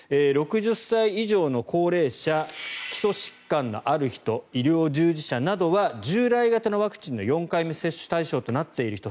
６０歳以上の高齢者基礎疾患のある人医療従事者などは従来型のワクチンの４回目接種対象となっている人